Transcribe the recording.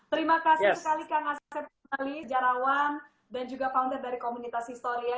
terima kasih sekali kang asep nali sejarawan dan juga pahlawan dari komunitas historia